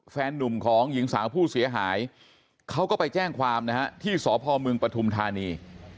นุ่มของหญิงสาวผู้เสียหายเขาก็ไปแจ้งความนะฮะที่สพมปฐุมธานี